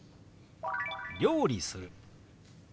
「料理する」。